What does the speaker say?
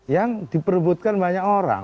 yang diperbutkan banyak orang